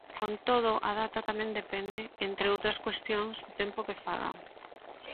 Con todo, a data tamén depende, entre outras cuestións, do tempo que faga.